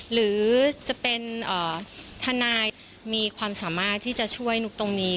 หรือจะเป็นทนายมีความสามารถที่จะช่วยนุ๊กตรงนี้